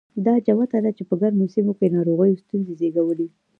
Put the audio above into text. دا جوته ده چې په ګرمو سیمو کې ناروغیو ستونزې زېږولې.